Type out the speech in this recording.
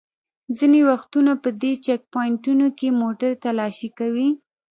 ځینې وختونه په دې چېک پواینټونو کې موټر تالاشي کوي.